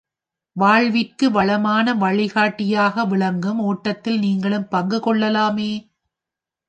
வாழ்விற்கு வளமான வழிகாட்டியாக விளங்கும் ஒட்டத்தில் நீங்களும் பங்கு கொள்ளலாமே!